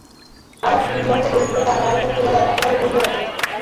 আমার ইংলণ্ডের অভিজ্ঞতা আমেরিকার তুলনায় একেবারে অন্য রকমের।